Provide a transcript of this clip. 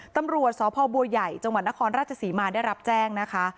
ตำรวจสพบัวใหญ่จังหวัดนครราชศรีมาได้รับแจ้งนะคะ